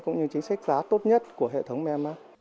cũng như chính sách giá tốt nhất của hệ thống mem